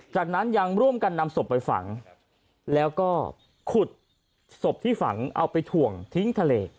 จากนั้นยังร่วมกันนำศพไปฝังแล้วก็ขุดศพที่ฝังเอาไปถ่วงทิ้งทะเล